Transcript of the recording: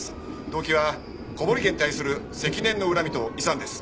動機は小堀家に対する積年の恨みと遺産です。